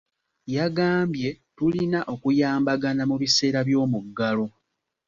Yagambye tulina okuyambagana mu biseera by'omuggalo.